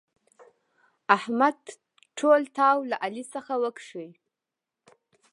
احمد ټول تاو له علي څخه وکيښ.